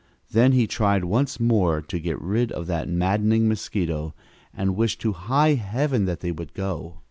Then he tried once more to get rid of that maddening mosquito and wished to high Heaven that they would go!